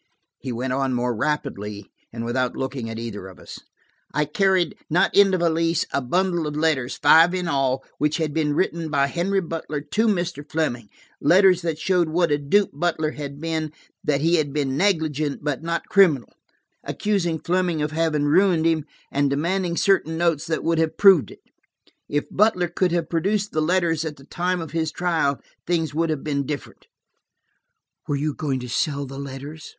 He went on more rapidly, and without looking at either of us. "I carried, not in the valise, a bundle of letters, five in all, which had been written by Henry Butler to Mr. Fleming, letters that showed what a dupe Butler had been, that he had been negligent, but not criminal; accusing Fleming of having ruined him, and demanding certain notes that would have proved it. If Butler could have produced the letters at the time of his trial, things would have been different." "Were you going to sell the letters?"